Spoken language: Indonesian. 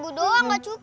ya lima doang gak cukup